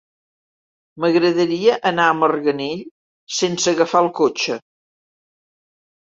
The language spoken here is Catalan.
M'agradaria anar a Marganell sense agafar el cotxe.